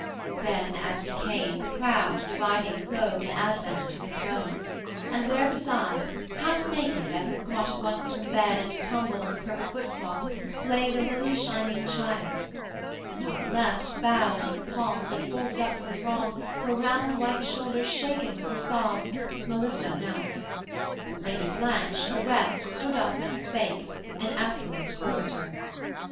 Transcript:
Then, as we came, the crowd dividing clove An advent to the throne: and therebeside, Half naked as if caught at once from bed And tumbled on the purple footcloth, lay The lily shining child; and on the left, Bowed on her palms and folded up from wrong, Her round white shoulder shaken with her sobs, Melissa knelt; but Lady Blanche erect Stood up and spake, an affluent orator.